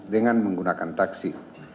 dengan menggunakan taksi